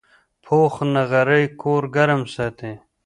پوخ نغری کور ګرم ساتي